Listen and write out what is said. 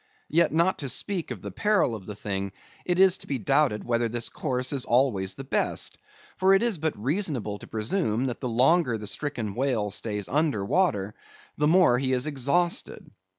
Yet not to speak of the peril of the thing, it is to be doubted whether this course is always the best; for it is but reasonable to presume, that the longer the stricken whale stays under water, the more he is exhausted.